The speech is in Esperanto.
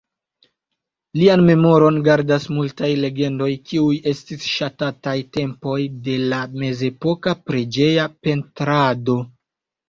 Lian memoron gardas multaj legendoj, kiuj estis ŝatataj tempoj de la mezepoka preĝeja pentrado.